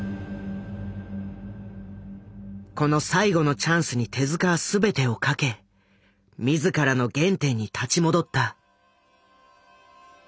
この最後のチャンスに手はすべてを賭け自らの原点に立ち戻った。